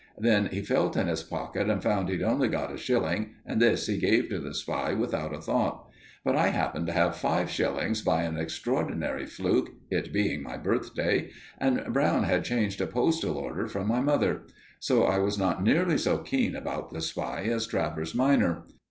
Then he felt in his pocket and found he'd only got a shilling, and this he gave to the spy without a thought; but I happened to have five shillings by an extraordinary fluke, it being my birthday, and Brown had changed a postal order from my mother; so I was not nearly so keen about the spy as Travers minor.